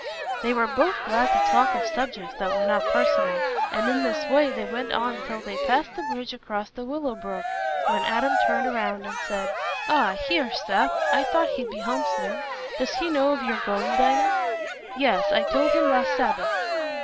They were both glad to talk of subjects that were not personal, and in this way they went on till they passed the bridge across the Willow Brook, when Adam turned round and said, "Ah, here's Seth. I thought he'd be home soon. Does he know of you're going, Dinah?" "Yes, I told him last Sabbath."